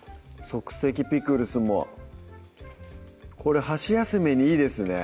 「即席ピクルス」もこれ箸休めにいいですね